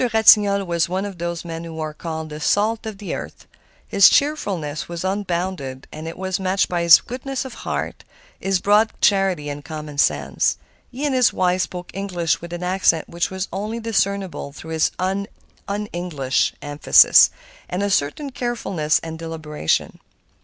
Ratignolle was one of those men who are called the salt of the earth. His cheerfulness was unbounded, and it was matched by his goodness of heart, his broad charity, and common sense. He and his wife spoke English with an accent which was only discernible through its un English emphasis and a certain carefulness and deliberation.